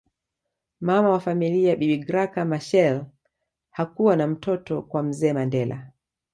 Mama wa familia bibi Graca Michael hakuwa na mtoto kwa mzee Mandela